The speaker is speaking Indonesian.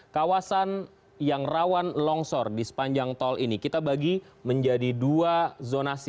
kawasan yang rawan longsor di sepanjang tol ini kita bagi menjadi dua zonasi